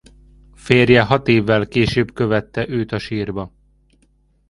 Férje hat évvel később követte őt a sírba.